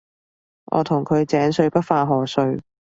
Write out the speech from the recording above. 我同佢井水不犯河水